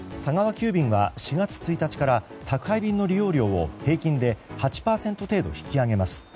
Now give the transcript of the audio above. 急便は４月１日から宅配便の利用料を平均で８％程度引き上げます。